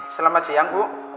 selamat siang bu